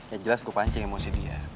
ya jelas gua pancing emosi dia